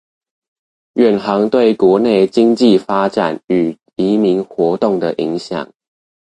遠航對國內經濟發展與移民活動的影響